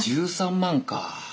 １３万か。